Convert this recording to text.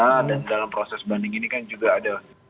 dan dalam proses banding ini kan juga ada